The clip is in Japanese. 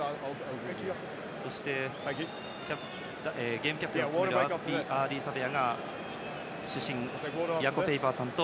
ゲームキャプテンを務めるアーディー・サベアが主審のヤコ・ペイパーさんと